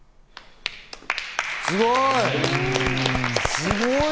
すごい！